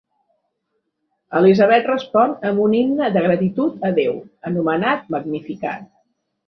Elisabet respon amb un himne de gratitud a Déu, anomenat Magnificat.